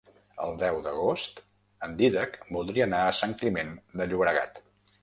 El deu d'agost en Dídac voldria anar a Sant Climent de Llobregat.